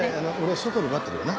外で待ってるわな。